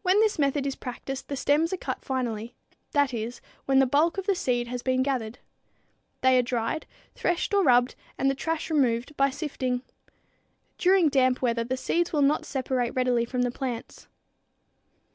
When this method is practiced the stems are cut finally; that is, when the bulk of the seed has been gathered. They are dried, threshed or rubbed and the trash removed, by sifting. During damp weather the seed will not separate readily from the plants.